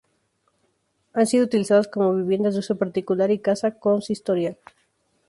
Han sido utilizadas como viviendas de uso particular y casa consistorial.